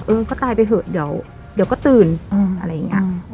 ก็ตายไปเถอะเดี๋ยวก็ตื่นอะไรอย่างนี้